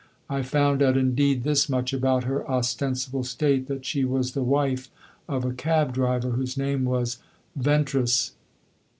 I found out indeed this much about her ostensible state, that she was the wife of a cab driver whose name was Ventris.